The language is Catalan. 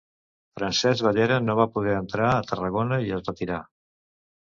Francesc Bellera no va poder entrar a Tarragona, i es retirà.